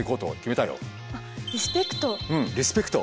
うんリスペクト。